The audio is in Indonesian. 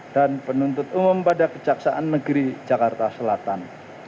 dan penuntut umum pada kejaksaan negeri jakarta selatan